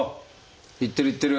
いってるいってる！